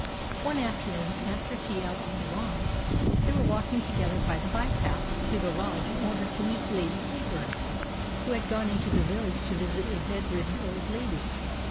One afternoon, after tea out on the lawn, they were walking together by the bypath to the lodge in order to meet Lady Heyburn, who had gone into the village to visit a bedridden old lady.